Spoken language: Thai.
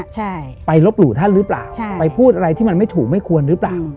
ใช่ไปลบหลู่ท่านหรือเปล่าใช่ไปพูดอะไรที่มันไม่ถูกไม่ควรหรือเปล่า